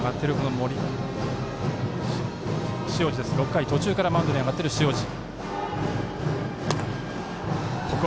６回途中からマウンドに上っている、塩路。